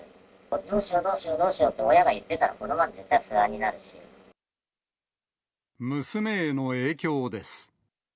どうしようどうしようどうしようと親が言ってたら、子どもは絶対娘への影響です。